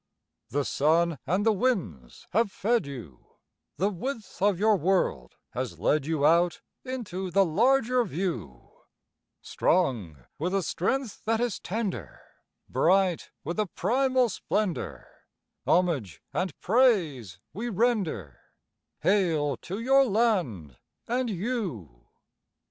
The sun and the winds have fed you; The width of your world has led you Out into the larger view; Strong with a strength that is tender, Bright with a primal splendour, Homage and praise we render— Hail to your land and you!